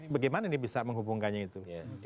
jadi itu bisa menghubungkannya itu